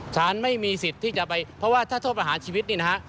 สารไม่มีสิทธิ์ที่จะไปเพราะว่าถ้าโทษประหารชีวิตนี่นะฮะ